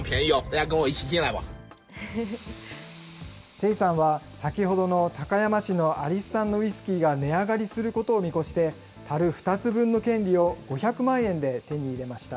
鄭さんは、先ほどの高山市の有巣さんのウイスキーが値上がりすることを見越して、たる２つ分の権利を５００万円で手に入れました。